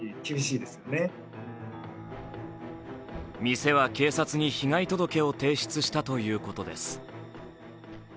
店は警察に被害届を提出したということです。